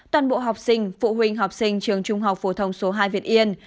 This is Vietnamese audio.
toàn bộ học sinh phụ huynh học sinh trường trung học phổ thông số hai việt yên